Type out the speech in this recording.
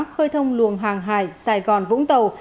khơi thông luồng hàng hải sài gòn vũng tàu